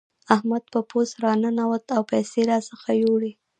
احمد په پوست راننوت او پيسې راڅخه يوړې.